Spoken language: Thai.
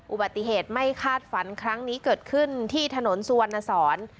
อุบัติเหตุไม่คาดฝันครั้งนี้เกิดขึ้นที่ถนนสุวรรณสอน